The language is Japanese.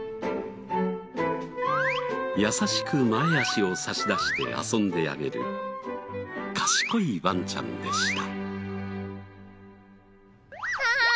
優しく前脚を差し出して遊んであげる賢いワンちゃんでした。